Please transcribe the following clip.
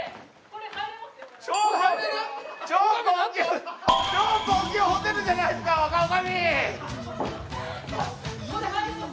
超高級ホテルじゃないすか若女将！